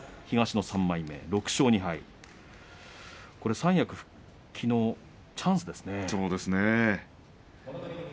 東の３枚目で６勝２敗三役復帰のチャンスですね。